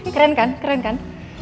keren kan keren kan